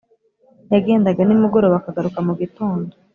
Yagendaga nimugoroba akagaruka mu gitondo